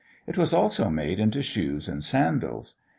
It was also made into shoes and sandals.